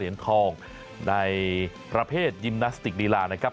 ในประเภทยิมนัสติกรีลานะครับ